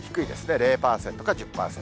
０％か１０％。